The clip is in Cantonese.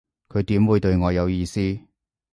佢點會對我有意思